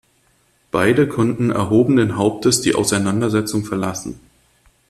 Beide konnten erhobenen Hauptes die Auseinandersetzung verlassen.